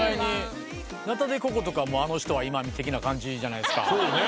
ナタデココとかあの人は今的な感じじゃないですか。